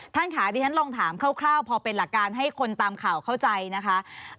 ท่านค่ะดิฉันลองถามคร่าวพอเป็นหลักการให้คนตามข่าวเข้าใจนะคะ